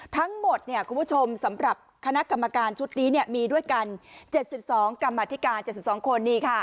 ทั้งหมดเนี่ยคุณผู้ชมสำหรับคณะกรรมการชุดนี้เนี่ยมีด้วยกัน๗๒กรรมธิการ๗๒คนนี้ค่ะ